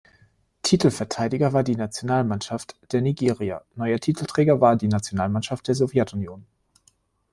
Titelverteidiger war die Nationalmannschaft der Nigeria, neuer Titelträger war die Nationalmannschaft der Sowjetunion.